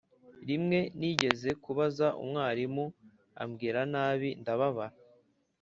rimwe nigeze kubaza umwarimu ambwira nabi ndababara